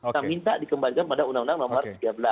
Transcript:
nah minta dikembalikan pada undang undang nomor tiga belas